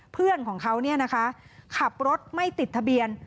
เพื่อนของเขาขับรถไม่ติดทะเบียน